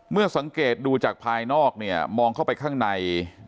เมื่อสังเกตดูจากภายนอกเนี่ยมองเข้าไปข้างใน